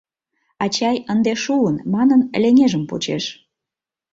— Ачай, ынде шуын, — манын, леҥежым почеш.